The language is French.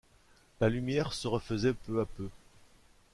La lumière se refaisait peu à peu.